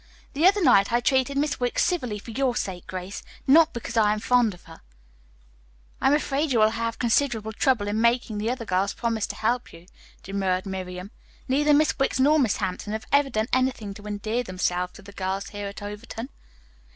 The other night I treated Miss Wicks civilly for your sake, Grace, not because I am fond of her." "I am afraid you will have considerable trouble in making the other girls promise to help you," demurred Miriam. "Neither Miss Wicks nor Miss Hampton have ever done anything to endear themselves to the girls here at Overton.